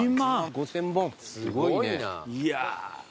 すごいな。